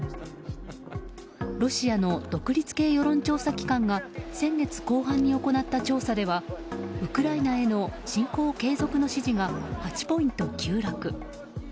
ロシアの独立系世論調査機関が先月後半に行った調査ではウクライナへの侵攻継続の支持が８ポイント急落。